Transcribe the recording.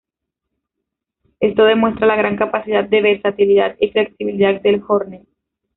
Esto demuestra la gran capacidad de versatilidad y flexibilidad del Hornet.